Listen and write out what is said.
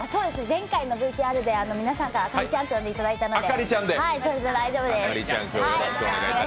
前回のＶＴＲで皆さんから朱莉ちゃんと呼んでいただいたのでそれで大丈夫です。